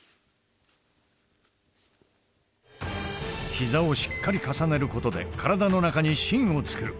ひざをしっかり重ねることで体の中に芯をつくる。